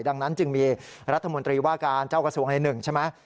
ดังนั้นจึงมีรัฐมนตรีว่าการเจ้ากระทรวงในหนึ่งใช่ไหม